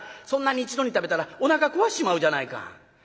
そんなに一度に食べたらおなか壊しちまうじゃないか」。